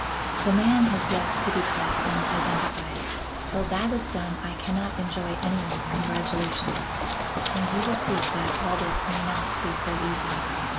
"The man has yet to be caught and identified. Till that is done I cannot enjoy any one's congratulations. And you will see that all this may not be so easy.